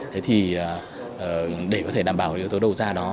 thế thì để có thể đảm bảo yếu tố đầu ra đó